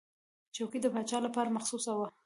چوکۍ د پاچا لپاره مخصوصه وه.